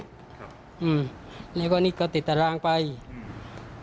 ครับอืมในวันนี้ก็ติดตารางไปอืม